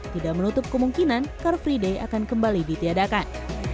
tidak menutup kemungkinan car free day akan kembali ditiadakan